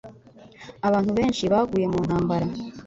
Abantu benshi baguye mu ntambara.